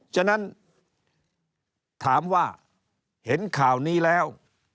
ฉะนั้นถามว่าเห็นข่าวนี้แล้ว